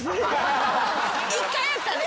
１回あったね